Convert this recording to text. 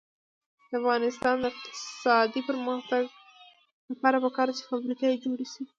د افغانستان د اقتصادي پرمختګ لپاره پکار ده چې فابریکې جوړې شي.